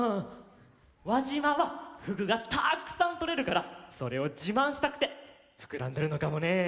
わじまはふぐがたくさんとれるからそれをじまんしたくてふくらんでるのかもねえ。